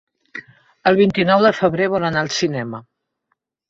El vint-i-nou de febrer vol anar al cinema.